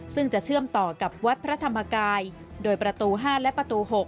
ซึ่งจะเชื่อมต่อกับวัดพระธรรมกายโดยประตู๕และประตู๖